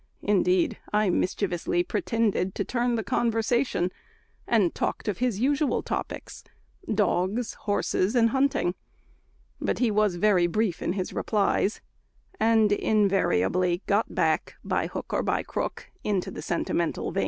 Indeed, I mischievously pretended to turn the conversation, and talked of his usual topics, dogs, horses, and hunting; but he was very brief in his replies, and invariably got back, by hook or by crook, into the sentimental vein.